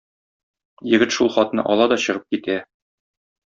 Егет шул хатны ала да чыгып китә.